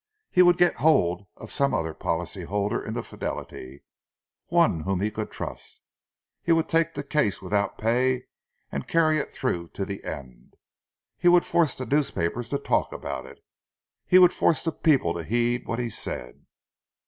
He would get hold of some other policy holder in the Fidelity, one whom he could trust; he would take the case without pay, and carry it through to the end! He would force the newspapers to talk about it—he would force the people to heed what he said!